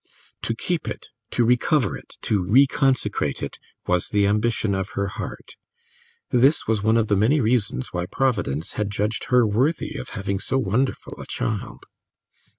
To keep it, to recover it, to reconsecrate it, was the ambition of her heart; this was one of the many reasons why Providence had judged her worthy of having so wonderful a child.